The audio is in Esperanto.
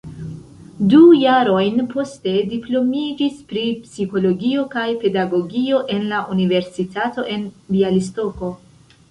Du jarojn poste diplomiĝis pri psikologio kaj pedagogio en la Universitato en Bjalistoko.